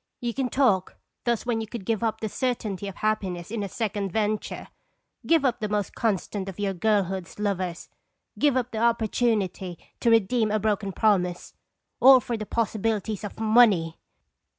You can talk thus when you could give up the certainty of happiness in a second venture, give up the most constant of your girlhood's lovers, give up the opportunity to redeem a broken promise all for the possibilities of money!